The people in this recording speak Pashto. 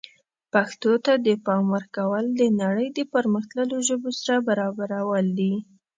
پښتو ته د پام ورکول د نړۍ د پرمختللو ژبو سره برابرول دي.